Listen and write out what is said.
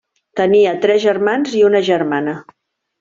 Tenia tres germans i una germana.